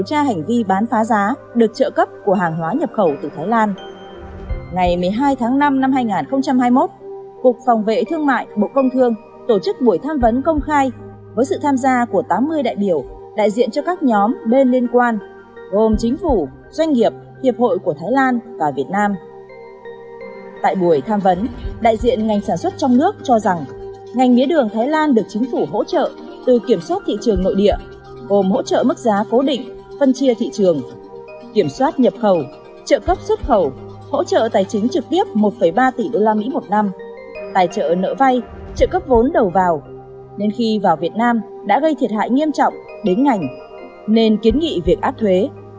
trợ cấp xuất khẩu hỗ trợ tài chính trực tiếp một ba tỷ usd một năm tài trợ nợ vay trợ cấp vốn đầu vào nên khi vào việt nam đã gây thiệt hại nghiêm trọng đến ngành nên kiến nghị việc áp thuế